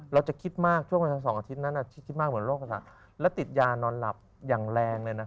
เราจะคิดมากช่วงเวลา๒อาทิตย์นั้นที่คิดมากเหมือนโรคภาษาและติดยานอนหลับอย่างแรงเลยนะคะ